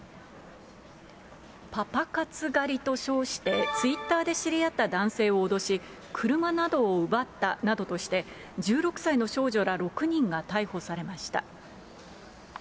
パパ活狩りと称して、ツイッターで知り合った男性を脅し、車などを奪ったなどとして、１６歳の少女ら６人が逮捕されました。